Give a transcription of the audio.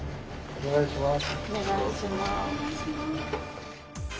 お願いします。